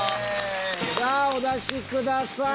お出しください。